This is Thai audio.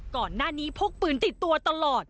ก่อนหน้านี้พกปืนติดตัวตลอด